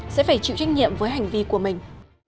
sẽ phải chịu trách nhiệm với hành vi của mình